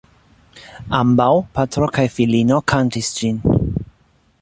Ambaŭ, patro kaj filino kantis ĝin.